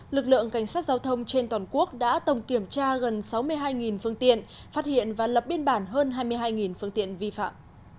lực lượng cảnh sát giao thông trên toàn quốc đã tổng kiểm tra gần sáu mươi hai phương tiện phát hiện và lập biên bản hơn hai mươi hai phương tiện vi phạm